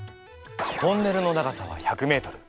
トンネルの長さは１００ｍ。